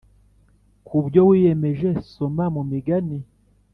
ku byo wiyemeje Soma mu Migani